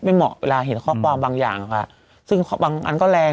ไม่เหมาะเวลาเห็นข้อความบางอย่างนะคะซึ่งข้อความบางอันก็แรง